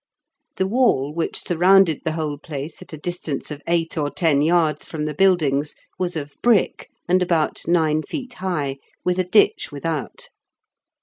The wall, which surrounded the whole place at a distance of eight or ten yards from the buildings, was of brick, and about nine feet high, with a ditch without.